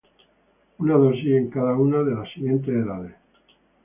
Una dosis en cada una de las siguientes edades: